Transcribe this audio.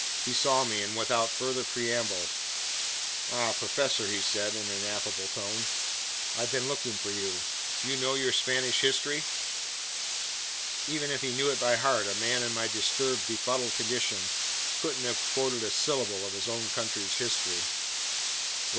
He saw me, and without further preamble: "Ah, professor," he said in an affable tone, "I've been looking for you. Do you know your Spanish history?" Even if he knew it by heart, a man in my disturbed, befuddled condition couldn't have quoted a syllable of his own country's history. "Well?"